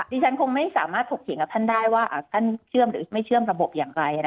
ดิฉันคงไม่สามารถถกเถียงกับท่านได้ว่าท่านเชื่อมหรือไม่เชื่อมระบบอย่างไร